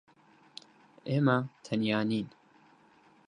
ئێمە تەنیا نین.